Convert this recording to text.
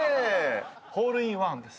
ホールインワンです。